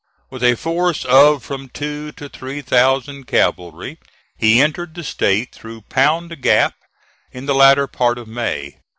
With a force of from two to three thousand cavalry, he entered the State through Pound Gap in the latter part of May.